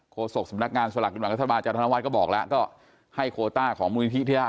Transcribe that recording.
โทษศพสำนักงานสุดหลักกินแบ่งรัฐบาลจัดฐานวัฒน์ก็บอกแล้วก็ให้โควต้าของมุมพิทธิได้